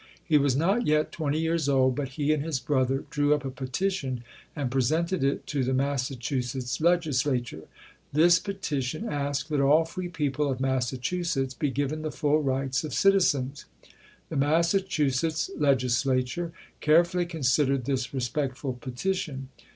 He was not yet twenty years old, but he and his brother drew up a petition and presented it to the Massachusetts Legislature. This petition asked that all free people of Massachusetts be given the full rights of citizens. The Massachusetts Legislature care fully considered this respectful petition.